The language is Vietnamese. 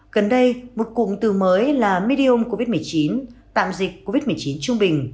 gần đây một cụm từ mới là midim covid một mươi chín tạm dịch covid một mươi chín trung bình